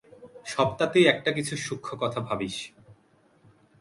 সব তাতেই একটা-কিছু সূক্ষ্ণ কথা ভাবিস।